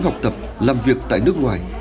học tập làm việc tại nước ngoài